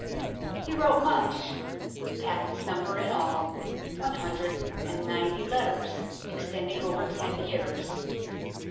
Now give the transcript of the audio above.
He wrote much ; the packets number in all one hundred and ninety letters, extending over ten years.